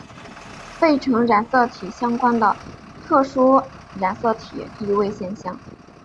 费城染色体相关的特殊染色体易位现象。